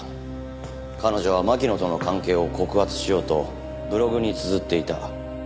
彼女は巻乃との関係を告発しようとブログにつづっていた。